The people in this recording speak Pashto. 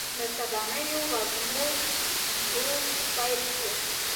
د سبانیو وږمو ږوږ پیل شو